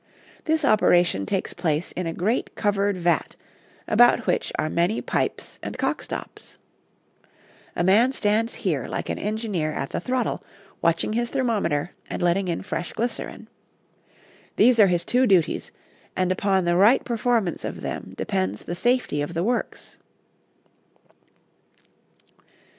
This operation takes place in a great covered vat about which are many pipes and stop cocks. A man stands here like an engineer at the throttle, watching his thermometer and letting in fresh glycerin. These are his two duties, and upon the right performance of them depends the safety of the works.